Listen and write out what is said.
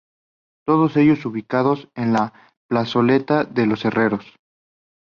Todos ellos ubicados en la plazoleta de los herreros.